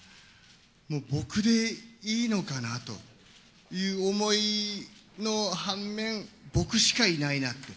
もう僕でいいのかなという思いの半面、僕しかいないなって。